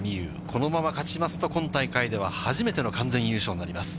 このまま勝ちますと今大会では、初めての完全優勝になります。